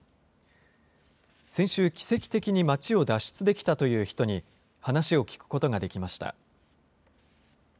先週、奇跡的に街を脱出できたという人に、話を聞くことができました。